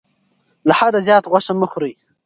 له حده زیاته غوښه مه خورئ.